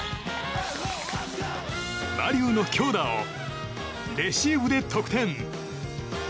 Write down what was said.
マ・リュウの強打をレシーブで得点！